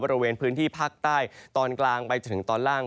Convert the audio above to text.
บริเวณพื้นที่ภาคใต้ตอนกลางไปจนถึงตอนล่าง